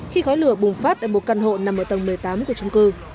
khi khói lửa bùng phát tại một căn hộ nằm ở tầng một mươi tám của trung cư